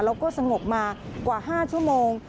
แล้วก็สงบมากว่า๕ชั่วโมง